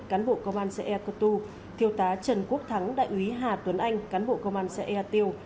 cán bộ công an xã e cơ tu thiếu tá trần quốc thắng đại úy hà tuấn anh cán bộ công an xã e tiêu